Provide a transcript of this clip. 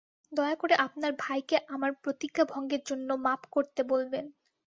দয়া করে আপনার ভাইকে আমার প্রতিজ্ঞাভঙ্গের জন্য মাপ করতে বলবেন।